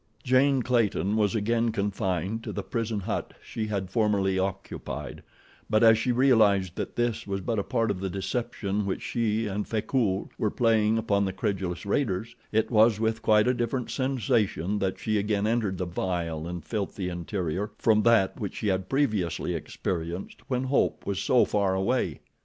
Jane Clayton was again confined to the prison hut she had formerly occupied, but as she realized that this was but a part of the deception which she and Frecoult were playing upon the credulous raiders, it was with quite a different sensation that she again entered the vile and filthy interior, from that which she had previously experienced, when hope was so far away.